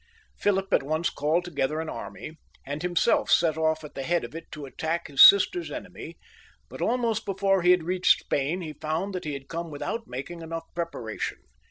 Philip at once called together an army, and himself set off at the head of it to attack his sister's enemy ; but almost before he had reached Spain he found that he had come without making enough preparation.